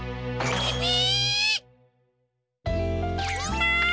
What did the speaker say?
みんな！